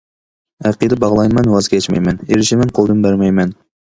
ئەقىدە باغلايمەن ۋاز كەچمەيمەن، ئېرىشىمەن قولدىن بەرمەيمەن.